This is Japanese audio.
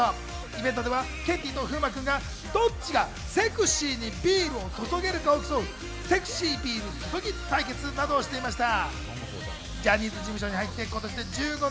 イベントではケンティーと風磨君がどっちがセクシーにビールを注げるかを競うセクシービール注ぎ対決などもしていました。